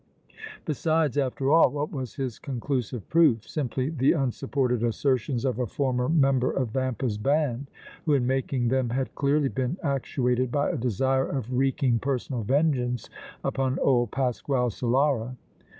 Besides, after all, what was his conclusive proof? Simply the unsupported assertions of a former member of Vampa's band, who in making them had clearly been actuated by a desire of wreaking personal vengeance upon old Pasquale Solara!